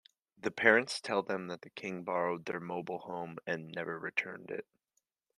The parents tell them that King borrowed their mobile home, and never returned it.